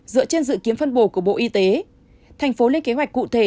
dựa trên dự kiến phân bổ của bộ y tế thành phố lên kế hoạch cụ thể